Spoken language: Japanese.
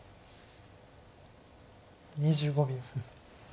２５秒。